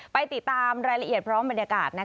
ไปติดตามรายละเอียดพร้อมบรรยากาศ